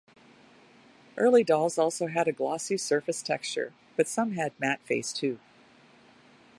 Early dolls also had a glossy surface texture, but some had matte face too.